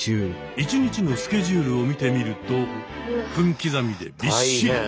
１日のスケジュールを見てみると分刻みでびっしり。